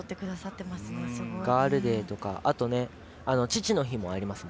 ガールデーとかあと、父の日もあります